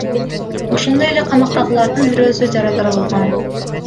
Ошондой эле камактагылардын бирөөсү жарадар болгон.